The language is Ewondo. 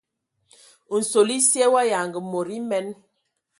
Nsol esye wa yanga mod emen.